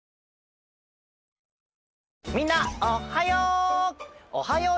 みんなおっはよう！